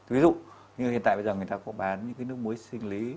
ví dụ như hiện tại bây giờ người ta có bán những cái nước muối sinh lý